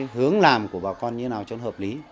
hướng làm của bà con như thế nào cho nó hợp lý